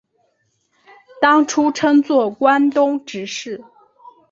当初称作关东执事。